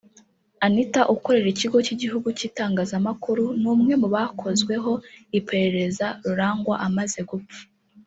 Anita ukorera Ikigo cy’Igihugu cy’Itangazamakuru ni umwe mu bakozweho iperereza Rurangwa amaze gupfa